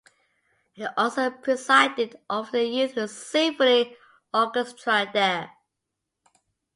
He also presided over the youth symphony orchestra there.